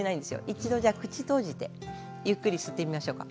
一度、口を閉じてゆっくり吸ってみましょうか。